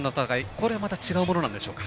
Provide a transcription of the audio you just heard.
これまた違うものなんでしょうか。